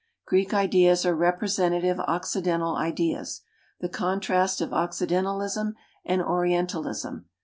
Greek ideas are representative occidental ideas. The contrast of occidentalism and orien talism.